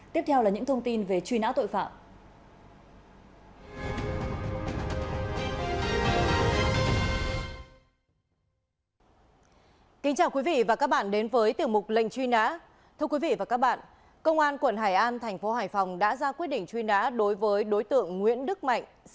tiếp theo là những thông tin về truy nã tội phạm